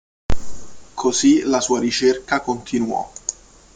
Così la sua ricerca continuò.